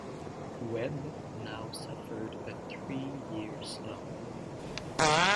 Webb now suffered a three-year slump.